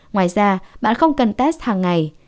ngoài ra bạn không cần test hàng ngày